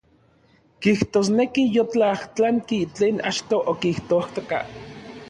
Kijtosneki yotlajtlanki tlen achtoj okijtojka.